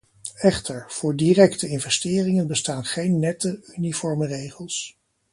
Echter, voor directe investeringen bestaan geen nette, uniforme regels.